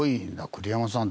栗山さん